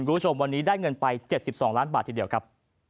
คุณผู้ชมวันนี้ได้เงินไป๗๒ล้านบาททีเดียวครับ